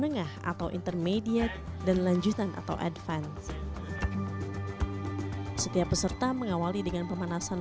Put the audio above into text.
menengah atau intermediate dan lanjutan atau advance setiap peserta mengawali dengan pemanasan